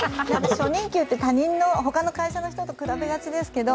初任給って他の会社の人と比べがちですけど